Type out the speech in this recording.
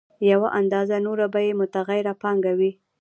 یوه اندازه نوره به یې متغیره پانګه وي